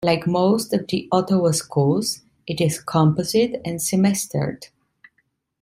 Like most of the Ottawa schools, it is composite and semestered.